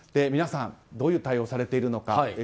皆さん、どういう対応をされているのか。